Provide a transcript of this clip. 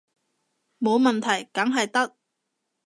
冇問題，梗係得